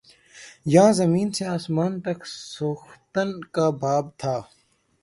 یاں زمیں سے آسماں تک سوختن کا باب تھا